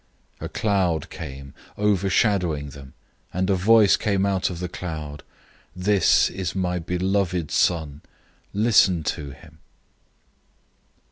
009:007 A cloud came, overshadowing them, and a voice came out of the cloud, "This is my beloved Son. Listen to him."